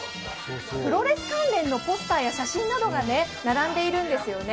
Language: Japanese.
プロレス関連のポスターや写真などが並んでいるんですよね。